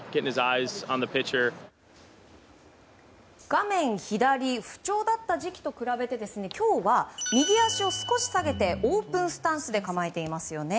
画面左不調だった時期と比べて今日は右足を少し下げてオープンスタンスで構えていますよね。